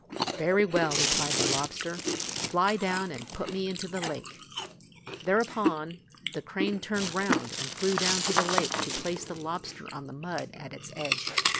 "Very well!" replied the lobster. "Fly down and put me into the lake." Thereupon, the crane turned round and flew down to the lake to place the lobster on the mud at its edge.